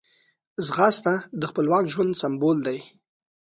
ځغاسته د خپلواک ژوند سمبول دی